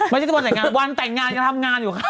ไม่ใช่ถึงวันแต่งงานวันแต่งงานก็ทำงานอยู่ค่ะ